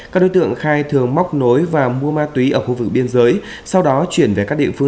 các đối tượng khai thường móc nối và mua ma túy ở khu vực biên giới sau đó chuyển về các địa phương